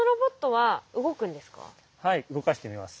はい動かしてみます。